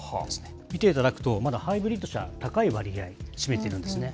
見ていただくと、まだハイブリッド車、高い割合占めているんですね。